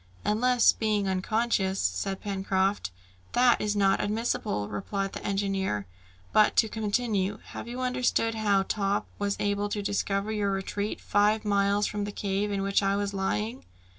"Unless, being unconscious " said Pencroft. "That is not admissible," replied the engineer. "But to continue. Have you understood how Top was able to discover your retreat five miles from the cave in which I was lying?"